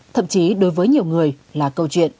thậm chí đối với nhiều người là các nguy cơ gây thiệt hại về người